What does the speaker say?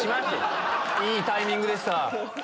いいタイミングでした。